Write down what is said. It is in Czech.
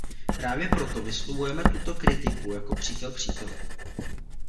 Právě proto vyslovujeme tuto kritiku jako přítel příteli.